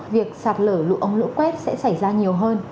việc sạt lở lũ ống lũ quét sẽ xảy ra nhiều hơn